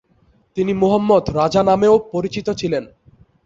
তিনি মুহম্মদ রাজা নামেও পরিচিত ছিলেন।